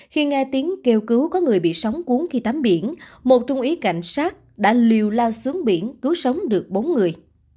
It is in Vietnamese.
khi nghe tiếng kêu cứu có người bị sóng cuốn khi tắm biển một trung ý cảnh sát đã liều lao xuống biển cứu sống được bốn người